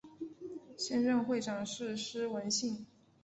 现任会长是施文信。